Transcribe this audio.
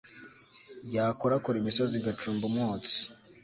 yakorakora imisozi igacumba umwotsi